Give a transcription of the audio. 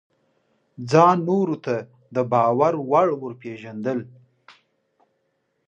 ځان نورو ته د باور وړ ورپېژندل: